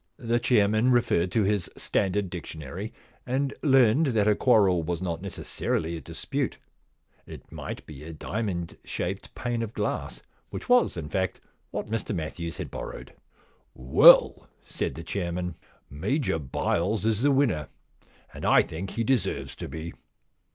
The chairman referred to his standard dictionary and learned that a quarrel was not necessarily a dispute ; it might be a diamond shaped pane of glass, which was, in fact, what Mr Matthews had borrowed. * Well,* said the chairman, * Major Byles is the winner, and I think he deserves to be.